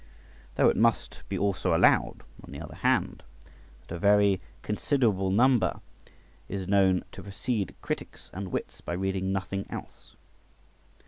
Though it must be also allowed, on the other hand, that a very considerable number is known to proceed critics and wits by reading nothing else.